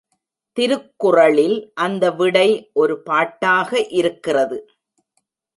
திருக்குறளில் அந்த விடை ஒரு பாட்டாக இருக்கிறது.